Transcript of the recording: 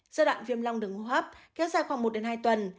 giai đoạn viêm long đường hô hấp kéo dài khoảng một hai tuần